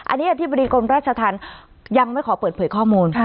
อันนี้อธิบดีกรมราชธรรมยังไม่ขอเปิดเผยข้อมูล